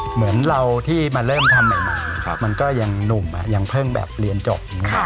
เหมือนเราที่มาเริ่มทำใหม่มันก็ยังหนุ่มยังเพิ่งแบบเรียนจบ